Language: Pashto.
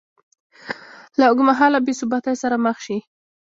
له اوږدمهاله بېثباتۍ سره مخ شي